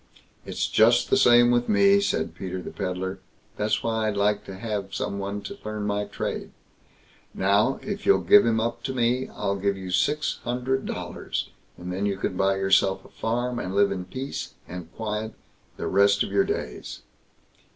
"It's just the same with me", said Peter the Pedlar; "that's why I'd like to have some one to learn my trade. Now, if you'll give him up to me, I'll give you six hundred dollars, and then you can buy yourself a farm, and live in peace and quiet the rest of your days."